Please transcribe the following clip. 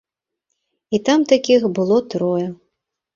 І там такіх было трое.